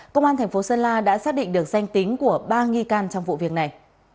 công an tp sơn la đã xác định được danh tính của ba nghi can trong vụ việc này